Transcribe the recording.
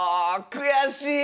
悔しい！